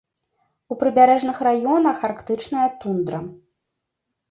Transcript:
У прыбярэжных раёнах арктычная тундра.